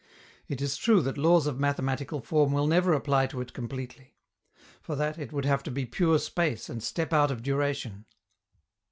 It is true that laws of mathematical form will never apply to it completely. For that, it would have to be pure space and step out of duration.